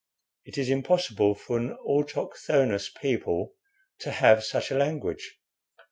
It is impossible for an autochthonous people to have such a language."